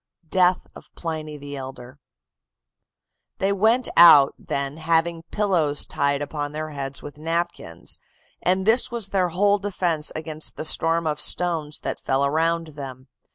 DEATH OF PLINY THE ELDER "They went out, then, having pillows tied upon their heads with napkins; and this was their whole defence against the storm of stones that fell around them.